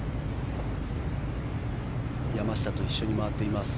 山下と一緒に回っています。